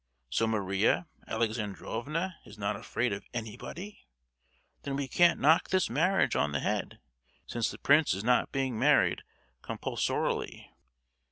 So Maria Alexandrovna is not afraid of anybody? Then we can't knock this marriage on the head—since the prince is not being married compulsorily!"